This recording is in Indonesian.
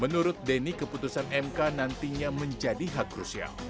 menurut denny keputusan mk nantinya menjadi hak krusial